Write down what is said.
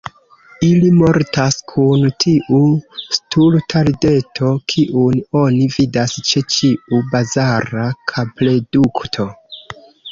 Ili mortas kun tiu stulta rideto, kiun oni vidas ĉe ĉiu bazara kapredukto.